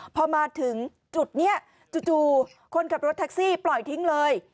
พอมาถึงจุดนี้จู่คนขับรถแท็กซี่ปล่อยทิ้งเลย